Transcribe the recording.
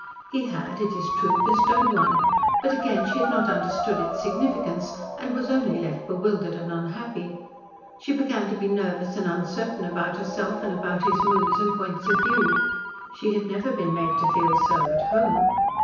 He had, it is true, bestowed one, but again she had not understood its significance and was only left bewildered and unhappy. She began to be nervous and uncertain about herself and about his moods and points of view. She had never been made to feel so at home.